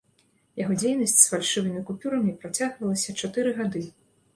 Яго дзейнасць з фальшывымі купюрамі працягвалася чатыры гады.